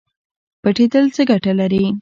پټیدل څه ګټه لري؟